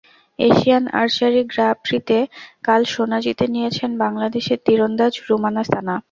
Asian archery grand প্রিঁতে কাল সোনা জিতে নিয়েছেন বাংলাদেশের তিরন্দাজ রুমান সানা।